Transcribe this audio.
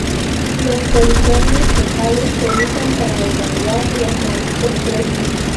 Los coliformes fecales se usan para evaluar los mariscos frescos.